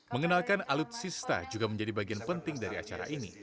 mengenalkan alutsista juga menjadi bagian penting dari acara ini